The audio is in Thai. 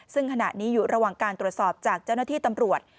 ซึ่งขณะนี้อยู่ระหว่างการตรวจสอบจากเจ้าหน้าที่ตำรวจ